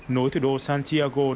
nối thủ đô santiago